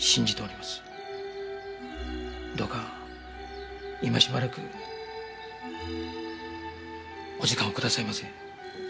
どうか今しばらくお時間をくださいませ。